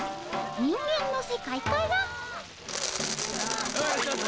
人間の世界から？